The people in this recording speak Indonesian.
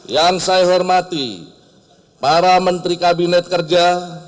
yang saya hormati para menteri kabinet kerja